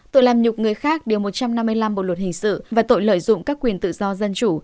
tội làm nhục người khác điều một trăm năm mươi năm bộ luật hình sự và tội lợi dụng các quyền tự do dân chủ